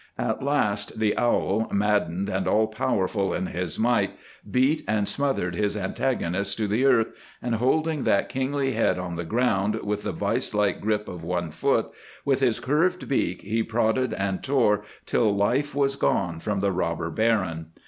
At last the owl, maddened and all powerful in his might, beat and smothered his antagonist to the earth, and holding that kingly head on the ground with the vise like grip of one foot, with his curved beak he prodded and tore till life was gone from the Robber Baron.